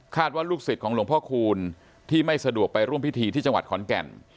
ว่าลูกศิษย์ของหลวงพ่อคูณที่ไม่สะดวกไปร่วมพิธีที่จังหวัดขอนแก่น